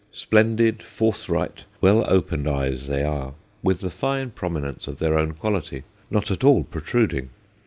Splendid, forthright, well opened eyes they are, with the fine prominence of their own quality, not at all protruding.